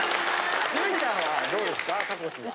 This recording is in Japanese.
唯衣ちゃんはどうですか？